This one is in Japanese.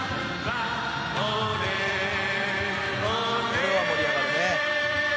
「これは盛り上がるね」